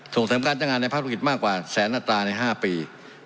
ส่งเสริมการจ้างงานในภาคธุรกิจมากกว่าแสนอัตราใน๕ปี